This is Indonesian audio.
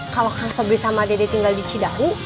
kalau kang sabri sama dede tinggal di cidahu